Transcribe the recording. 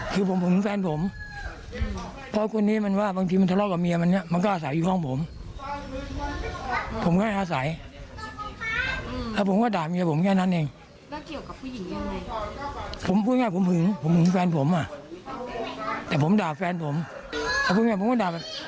แต่ผมด่าแฟนผมแต่เพราะงั้นผมก็ด่าแฟนเขา